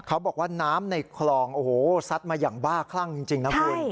เขาบอกว่าน้ำในคลองโอ้โหซัดมาอย่างบ้าคลั่งจริงนะคุณ